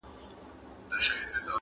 شیطان ګوره چي ایمان په کاڼو ولي،